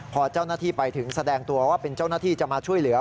พอเจ้าหน้าที่ไปถึงแสดงตัวว่าเป็นเจ้าหน้าที่จะมาช่วยเหลือ